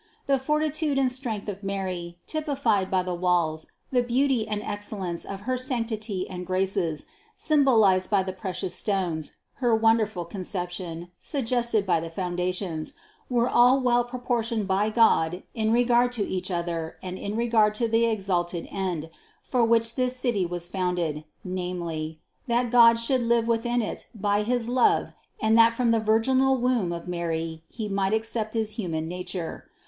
The fortitude and strength of Mary, typi fied by the walls, the beauty and excellence of her sanc tity and graces, symbolized by the precious stones, her wonderful Conception, suggested by the foundations, were all well proportioned by God in regard to each other and in regard to the exalted end, for which this City was founded, namely, that God should live within it by his love and that from the virginal womb of Mary He might accept his human nature.